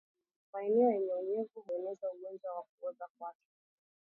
Maeneo yenye unyevu hueneza ugonjwa wa kuoza kwato